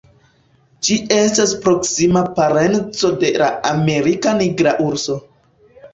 Ĝi estas proksima parenco de la Amerika nigra urso.